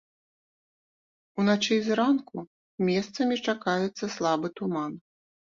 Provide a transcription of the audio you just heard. Уначы і зранку месцамі чакаецца слабы туман.